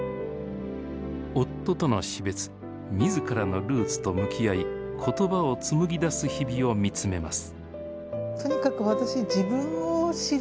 夫との死別みずからのルーツと向き合い言葉を紡ぎ出す日々を見つめます。